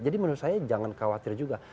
jadi menurut saya jangan khawatir juga